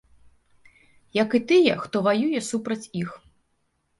Як і тыя, хто ваюе супраць іх.